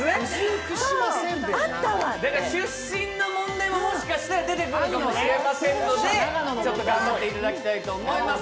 出身の問題も、もしかしたら出てくるかもしれませんので、ちょっと頑張っていただきたいと思います。